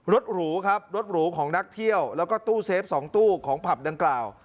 หรูครับรถหรูของนักเที่ยวแล้วก็ตู้เซฟ๒ตู้ของผับดังกล่าว